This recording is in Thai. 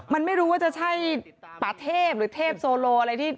มันไม่รู้ว่าจะใช่ป่าเทพหรือเทพโซโลอะไรที่